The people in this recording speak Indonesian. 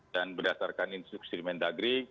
dan berdasarkan instruksi menagri